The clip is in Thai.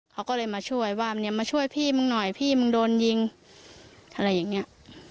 เขาก็เลยมาช่วยว่าเนี่ยมาช่วยพี่มึงหน่อยพี่มึงโดนยิงอะไรอย่างเงี้ย